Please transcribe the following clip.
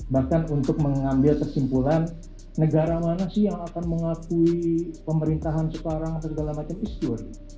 bahkan untuk mengambil kesimpulan negara mana sih yang akan mengakui pemerintahan sekarang atau segala macam itu